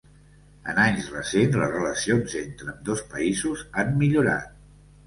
En anys recents les relacions entre ambdós països han millorat.